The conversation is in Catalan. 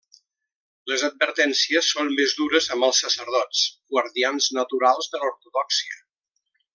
Les advertències són més dures amb els sacerdots, guardians naturals de l'ortodòxia.